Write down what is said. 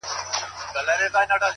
په خوی چنګېز یې په زړه سکندر یې؛